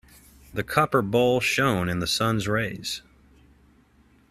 The copper bowl shone in the sun's rays.